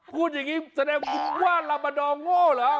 พูดอย่างนี้แสดงว่าลาบาดอด้วยมันโง่หรอ